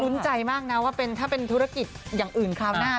รุ้นใจมากนะว่าถ้าเป็นธุรกิจอย่างอื่นคราวหน้า